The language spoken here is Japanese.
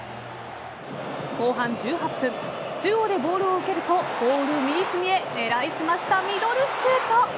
後半１８分中央でボールを受けるとゴール右隅へ狙い澄ましたミドルシュート。